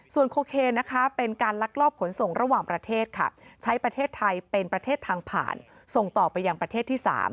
ส่วนโคเคนนะคะเป็นการลักลอบขนส่งระหว่างประเทศค่ะใช้ประเทศไทยเป็นประเทศทางผ่านส่งต่อไปยังประเทศที่๓